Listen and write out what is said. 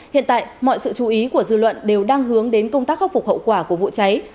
hiện tại mọi sự chú ý của dư luận đều đang hướng đến công tác khắc phục hậu quả của vụ cháy